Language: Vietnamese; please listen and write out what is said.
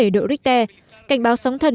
bảy độ richter cảnh báo sóng thần